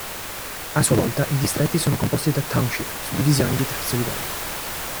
A sua volta i distretti sono composti da "township", suddivisioni di terzo livello.